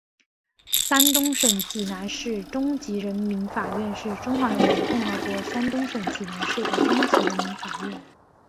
山东省济南市中级人民法院是中华人民共和国山东省济南市的中级人民法院。